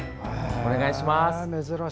お願いします。